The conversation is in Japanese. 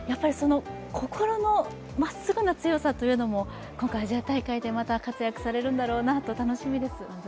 心のまっすぐな強さというのも今回、アジア大会でまた活躍されるんだろうなと楽しみです。